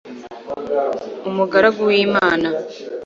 umugaragu w'imana